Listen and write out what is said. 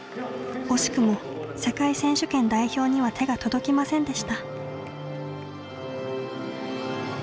惜しくも世界選手権代表には手が届きませんでした。